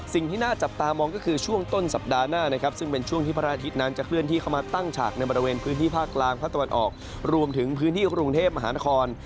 สิ่งที่น่าจับตามองก็คือช่วงต้นสัปดาห์หน้านะครับซึ่งเป็นช่วงที่พระอาทิตย์นั้นจะเคลื่อนที่เข้ามาตั้งฉากในบริเวณพื้นที่ภาคกลางภาคตะวันออกรวมถึงพื้นที่กรุงเทพมหานคร